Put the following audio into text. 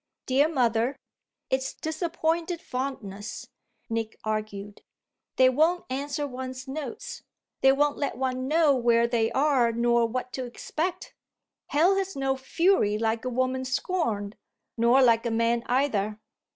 "Dear mother, it's disappointed fondness," Nick argued. "They won't answer one's notes; they won't let one know where they are nor what to expect. 'Hell has no fury like a woman scorned'; nor like a man either."